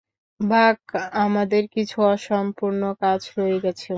বাক, আমাদের কিছু অসম্পূর্ণ কাজ রয়ে গেছে।